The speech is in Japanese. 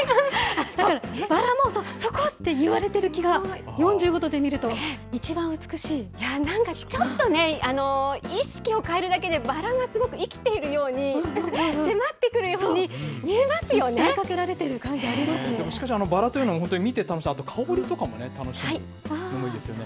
だからバラもそこって言われてる気が、４５度で見るといちばん美なんかちょっと意識を変えるだけで、バラがすごく生きているように、迫ってくるように見えましかし、バラというのは本当に見て楽しい、香りとかも楽しむのもいいですよね。